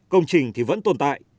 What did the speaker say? công trình thì vẫn tồn tại